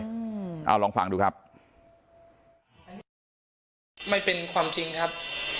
อืมเอาลองฟังดูครับไม่เป็นความจริงครับ